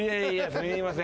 すいません。